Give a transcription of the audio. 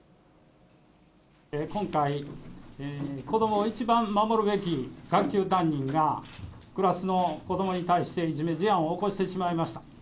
今回、子どもを一番守るべき学級担任が、クラスの子どもに対して、いじめ事案を起こしてしまいました。